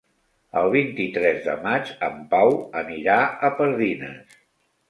El vint-i-tres de maig en Pau anirà a Pardines.